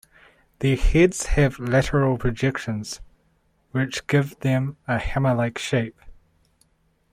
Their heads have lateral projections which give them a hammer-like shape.